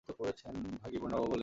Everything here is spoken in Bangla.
ভয় কী পূর্ণবাবু, বলে যান।